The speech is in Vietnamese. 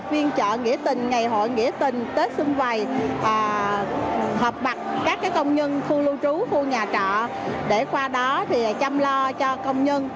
phiên trợ nghĩa tình ngày hội nghĩa tình tết xuân vầy hợp mặt các cái công nhân khu lưu trú khu nhà trọ để qua đó thì chăm lo cho công nhân